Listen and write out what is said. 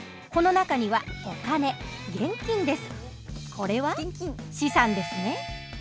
これは資産ですね。